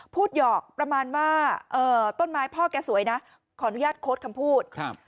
พูดหยอกประมาณว่าเอ่อต้นไม้พ่อแกสวยนะขออนุญาตโค้ดคำพูด